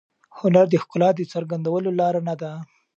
هنر د ښکلا د څرګندولو لاره نه ده.